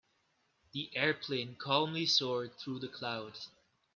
The airplane calmly soared through the clouds.